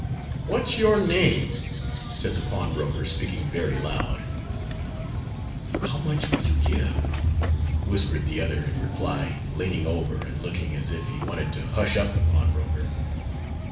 "What's your name?" said the pawnbroker, speaking very loud. "How much will you give?" whispered the other in reply, leaning over, and looking as if he wanted to hush up the pawnbroker.